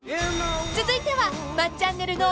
［続いては］